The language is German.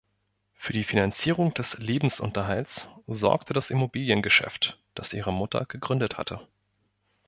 Für die Finanzierung des Lebensunterhalts sorgte das Immobiliengeschäft, das ihre Mutter gegründet hatte.